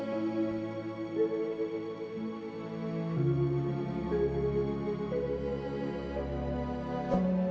aetniknya juga bu